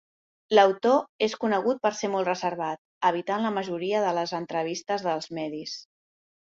L'autor és conegut per ser molt reservat, evitant la majoria de les entrevistes dels medis.